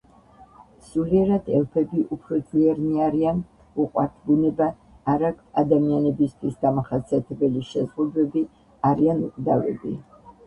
სულიერად ელფები უფრო ძლიერნი არიან, უყვართ ბუნება, არ აქვთ ადამიანებისთვის დამახასიათებელი შეზღუდვები, არიან უკვდავები.